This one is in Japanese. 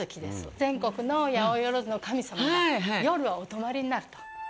全国の八百万の神様が夜はお泊まりになると。